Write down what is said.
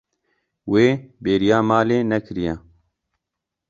Wê bêriya malê nekiriye.